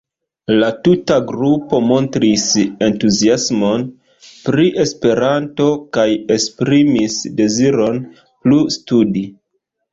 La tuta grupo montris entuziasmon pri Esperanto kaj esprimis deziron plu studi.